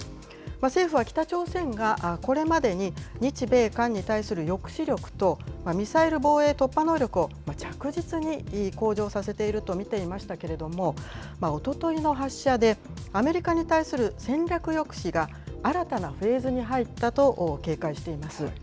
政府は北朝鮮がこれまでに日米韓に対する抑止力とミサイル防衛突破能力を着実に向上させていると見ていましたけれども、おとといの発射で、アメリカに対する戦略抑止が、新たなフェーズに入ったと警戒しています。